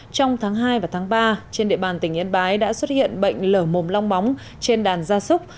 trong tháng hai và tháng ba trên địa bàn tỉnh yên bái đã xuất hiện bệnh lở mồm long móng trên đàn gia súc